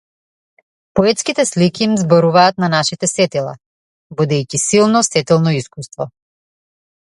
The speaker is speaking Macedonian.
Поетските слики им зборуваат на нашите сетила, будејќи силно сетилно искуство.